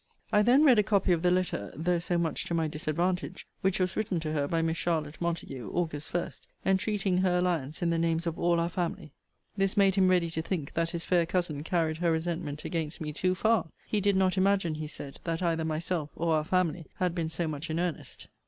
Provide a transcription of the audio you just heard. I then read a copy of the letter (though so much to my disadvantage) which was written to her by Miss Charlotte Montague, Aug. 1,* entreating her alliance in the names of all our family. * See Vol. VII. Letter LXVI. This made him ready to think that his fair cousin carried her resentment against me too far. He did not imagine, he said, that either myself or our family had been so much in earnest.